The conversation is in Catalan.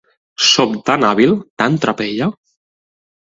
Sóc tan hàbil, tan trapella!